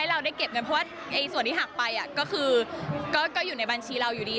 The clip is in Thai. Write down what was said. เราได้เก็บเงินเพราะว่าส่วนที่หักไปก็คือก็อยู่ในบัญชีเราอยู่ดี